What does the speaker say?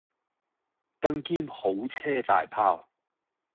更兼好車大砲